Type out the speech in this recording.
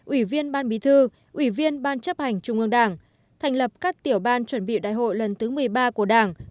ủy viên ban bí thư ủy viên ban chấp hành trung ương đảng thành lập các tiểu ban chuẩn bị đại hội lần thứ một mươi ba của đảng